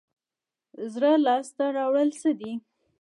زړه لاس ته راوړل څه دي؟